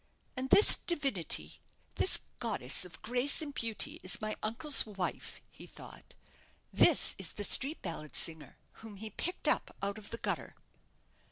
"And this divinity this goddess of grace and beauty, is my uncle's wife," he thought; "this is the street ballad singer whom he picked up out of the gutter."